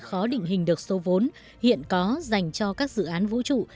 khó định hình được số vốn hiện có dành cho các dự án vũ trụ